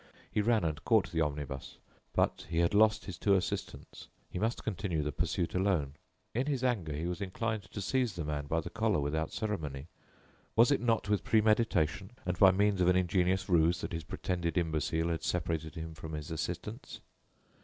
He ran and caught the omnibus. But he had lost his two assistants. He must continue the pursuit alone. In his anger he was inclined to seize the man by the collar without ceremony. Was it not with premeditation and by means of an ingenious ruse that his pretended imbecile had separated him from his assistants?